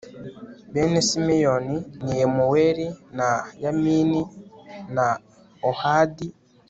bene simeyoni ni yemuweli na yamini na ohadi